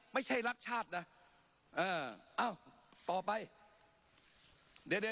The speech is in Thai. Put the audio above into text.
ไม่ใช่รักชาตินะเอออ้าวต่อไปเดี๋ยว